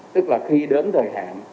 tức là khi đến thời hạn